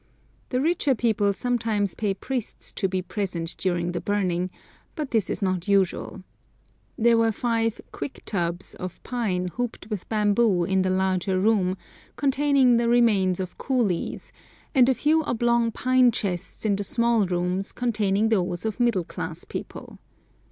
The richer people sometimes pay priests to be present during the burning, but this is not usual. There were five "quick tubs" of pine hooped with bamboo in the larger room, containing the remains of coolies, and a few oblong pine chests in the small rooms containing those of middle class people.